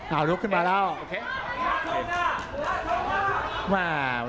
แล้วรุกขึ้นมาแล้ว